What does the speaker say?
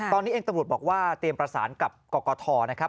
ตอนนี้เองตำรวจบอกว่าเตรียมประสานกับกรกฐนะครับ